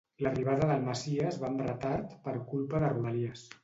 L'arribada del Messies va amb retard per culpa de Rodalies